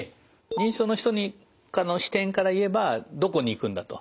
認知症の人の視点から言えば「どこに行くんだ」と。